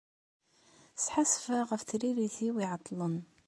Sḥassfeɣ ɣef tririt-iw iɛeṭṭlen.